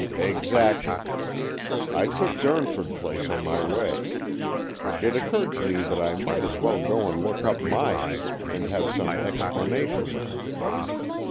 " Exactly. I took Durnford Place on my way. It occurred to me that I might as well go and look up Myas, and have some explanation with him.